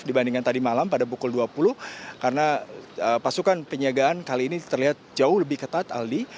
dibandingkan tadi malam pada pukul dua puluh karena pasukan penyiagaan kali ini terlihat jauh lebih ketat aldi